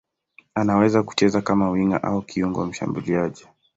Anaweza kucheza kama winga au kiungo mshambuliaji.